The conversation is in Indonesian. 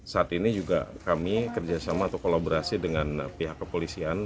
saat ini juga kami kerjasama atau kolaborasi dengan pihak kepolisian